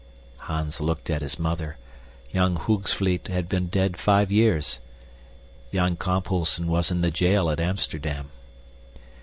Hans looked at his mother. Young Hoogsvliet had been dead five years. Jan Kamphuisen was in the jail at Amsterdam.